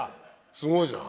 すごいじゃん。